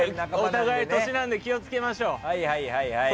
お互い年なので気をつけましょう。